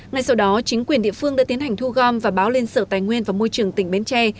ngay sau đó chính quyền địa phương đã tiến hành thu gom và báo lên sở tài nguyên và môi trường tỉnh bến tre